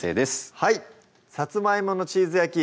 「さつまいものチーズ焼き」